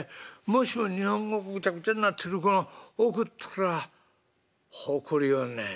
もしも日本語ぐちゃぐちゃになってるもの送ったら怒りよんねん。